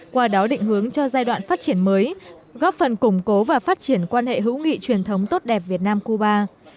qua đó định hướng cho giai đoạn phát triển mới góp phần củng cố và phát triển quan hệ hữu nghị truyền thống tốt đẹp việt nam cuba